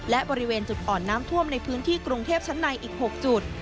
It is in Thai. และบริเวณจุดอ่อนน้ำท่วมในพื้นที่กรุงเทพชั้นในอีก๖จุด